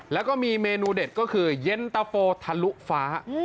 แล้วก็มีเมนูเด็ดก็คือเย็นตะโฟทะลุฟ้า